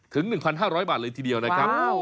ถึง๑๕๐๐บาทเลยทีเดียวนะครับ